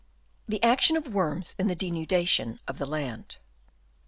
THE ACTION OF WORMS IN THE DENUDATION OF THE LAND.